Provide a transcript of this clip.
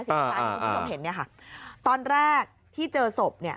สิทธิบ้านนี้คุณผู้ชมเห็นตอนแรกที่เจอศพ